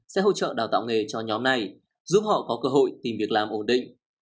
sẽ hỗ trợ đào tạo nghề cho nhóm này giúp họ có cơ hội tìm việc làm ổn định